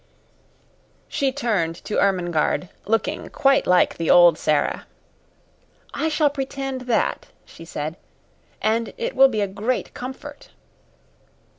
She turned to Ermengarde, looking quite like the old Sara. "I shall pretend that," she said; "and it will be a great comfort."